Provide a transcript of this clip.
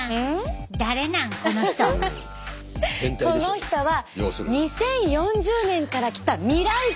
この人は２０４０年から来た未来人。